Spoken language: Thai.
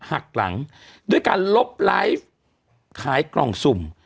หักหลังด้วยการลบไลฟ์ขายกล่องสุ่ม